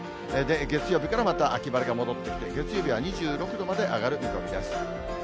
月曜日からまた秋晴れが戻ってきて、月曜日は２６度まで上がる見込みです。